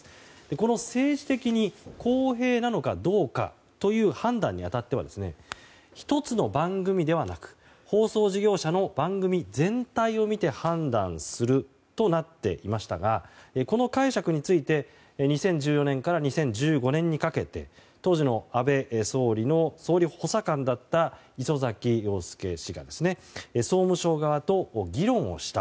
この政治的に公平なのかどうかという判断に当たっては１つの番組ではなく放送事業者の番組全体を見て判断するとなっていましたがこの解釈について２０１４年から２０１５年にかけて当時の安倍総理の総理補佐官だった礒崎陽輔氏が総務省側と議論をした。